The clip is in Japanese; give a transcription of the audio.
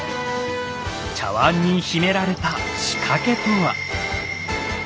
茶わんに秘められた仕掛けとは？